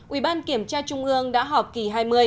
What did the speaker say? ủy ban kiểm tra trung ương đã họp kỳ hai mươi